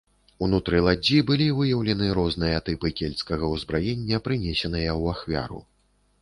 Унутры ладдзі былі выяўлены розныя тыпы кельцкага ўзбраення, прынесеныя ў ахвяру.